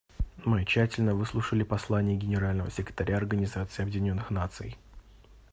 Мы тщательно выслушали послание Генерального секретаря Организации Объединенных Наций.